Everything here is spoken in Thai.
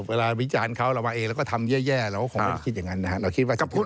วิจารณ์เขาเรามาเองเราก็ทำแย่เราก็คงไม่ได้คิดอย่างนั้นนะครับ